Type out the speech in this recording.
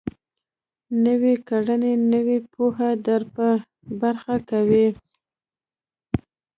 نويې کړنې نوې پوهه در په برخه کوي.